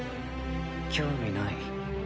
興味ない。